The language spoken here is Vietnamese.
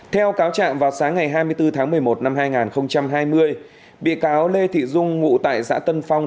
theo cáo trạng vào sáng ngày hai mươi bốn tháng một mươi một năm hai nghìn hai mươi bị cáo lê thị dung ngụ tại xã tân phong